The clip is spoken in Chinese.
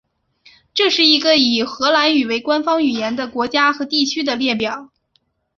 这是一个以荷兰语为官方语言的国家和地区的列表。